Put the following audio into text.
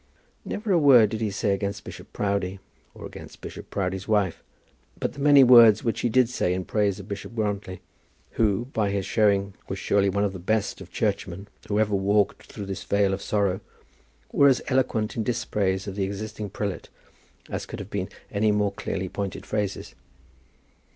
Never a word did he say against Bishop Proudie, or against Bishop Proudie's wife; but the many words which he did say in praise of Bishop Grantly, who, by his showing, was surely one of the best of churchmen who ever walked through this vale of sorrow, were as eloquent in dispraise of the existing prelate as could have been any more clearly pointed phrases.